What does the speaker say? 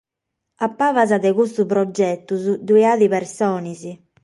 A palas de custos progetos ddoe at persones.